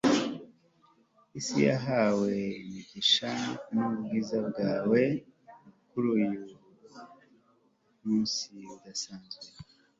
isi yahawe imigisha nubwiza bwawe kuri uyumunsi udasanzwe